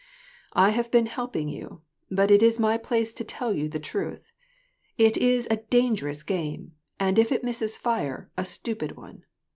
" I have been helping you ; but it is my place to tell you the truth : it is a dangerous game, and if it misses fire, a stupid one.